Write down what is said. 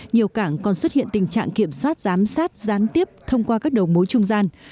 nhiều cảng còn xuất hiện tình trạng kiểm soát giám sát gián tiếp thông qua các đầu mối trung gian